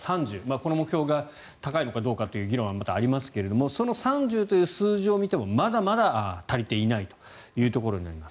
この目標が高いのかどうかという議論はありますがその３０という数字を見てもまだまだ足りていないというところになります。